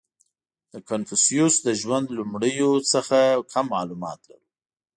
• د کنفوسیوس د ژوند لومړیو څخه کم معلومات لرو.